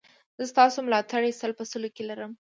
زه ستاسو ملاتړ سل په سلو کې لرم